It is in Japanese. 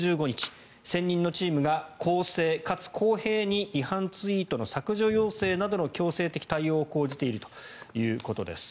専任のチームが公正かつ公平に違反ツイートの削除要請などの強制的対応を講じているということです。